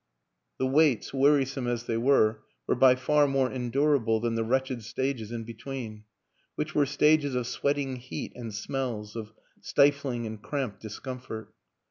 The waits, wearisome as they were, were by far more endurable than the wretched stages in between; which were stages of sweating heat and smells, of stifling and cramped discomfort.